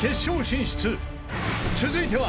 ［続いては］